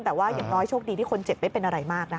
แต่ว่าอย่างน้อยโชคดีที่คนเจ็บไม่เป็นอะไรมากนะคะ